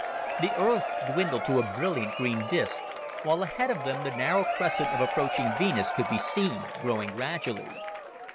The Earth dwindled to a brilliant green disc, while ahead of them the narrow crescent of approaching Venus could be seen growing gradually.